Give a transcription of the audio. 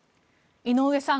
井上さん